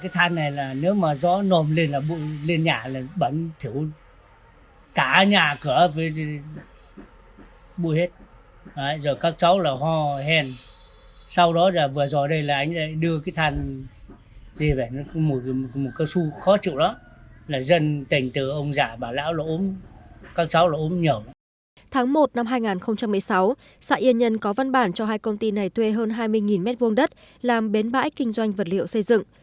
tháng một năm hai nghìn một mươi sáu xã yên nhân có văn bản cho hai công ty này thuê hơn hai mươi mét vuông đất làm bến bãi kinh doanh vật liệu xây dựng